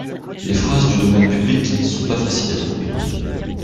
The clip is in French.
Les phrases du domaine publique sont pas faciles à trouver.